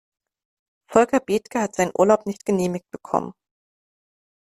Volker Bethke hat seinen Urlaub nicht genehmigt bekommen.